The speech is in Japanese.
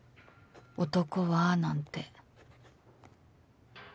「男は」なんて